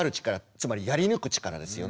つまり「やり抜く力」ですよね。